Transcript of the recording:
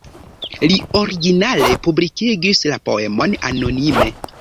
Li originale publikigis la poemon anonime.